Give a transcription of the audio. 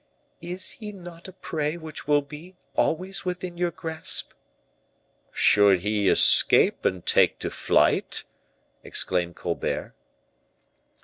"Is he not a prey which will always be within your grasp?" "Should he escape, and take to flight?" exclaimed Colbert.